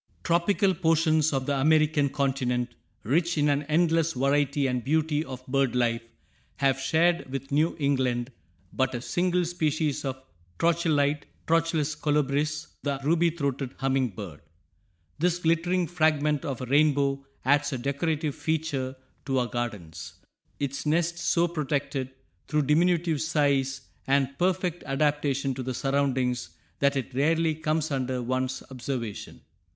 Tropical portions of the American continent, rich in an endless variety and beauty of bird life, have shared with New England but a single species of Trochilidæ, Trochilus colubris, the ruby throated humming bird. This "glittering fragment of a rainbow" adds a decorative feature to our gardens, its nest so protected through diminutive size and perfect adaptation to the surroundings that it rarely comes under one's observation.